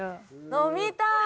飲みたーい。